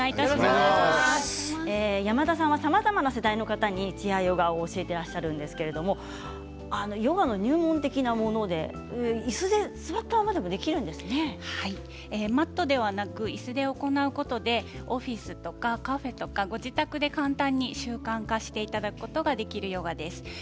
山田さんはさまざまな世代の方にチェアヨガを教えてらっしゃるんですけれどもヨガの入門的なものでマットではなくいすで行うことでオフィスとかカフェとかご自宅で簡単に習慣化していただくことができるヨガです。